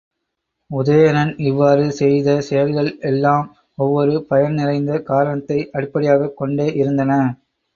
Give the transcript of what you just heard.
உதயணன் இவ்வாறு செய்த செயல்கள் எல்லாம், ஒவ்வொரு பயன் நிறைந்த காரணத்தை அடிப்படையாகக் கொண்டே இருந்தன.